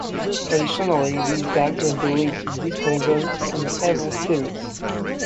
Traditionally, these dogs were believed to dispel ghosts and evil spirits.